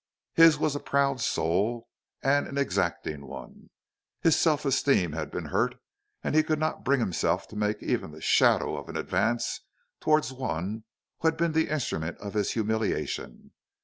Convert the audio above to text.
His was a proud soul and an exacting one. His self esteem had been hurt, and he could not bring himself to make even the shadow of an advance towards one who had been the instrument of his humiliation.